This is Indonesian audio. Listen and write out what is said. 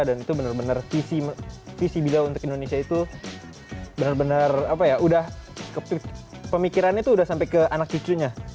dan itu benar benar visi beliau untuk indonesia itu benar benar apa ya pemikirannya tuh udah sampai ke anak cucunya